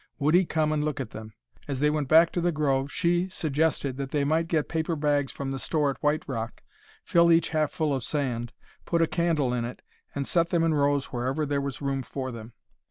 Would he come and look at them? As they went back to the grove she suggested that they might get paper bags from the store at White Rock, fill each half full of sand, put a candle in it, and set them in rows wherever there was room for them.